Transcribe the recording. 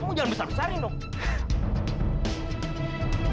kamu jangan besar besarin dong